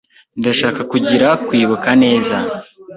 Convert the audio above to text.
Ndashaka kugira kwibuka neza.